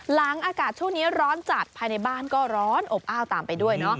หลังอากาศช่วงนี้ร้อนจัดภายในบ้านก็ร้อนอบอ้าวตามไปด้วยเนาะ